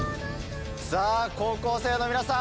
さぁ高校生の皆さん